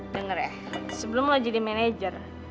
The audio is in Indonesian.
denger ya sebelum lo jadi manajer